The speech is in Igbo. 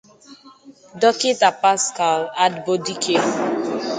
Dọkịta Paschal Adbodike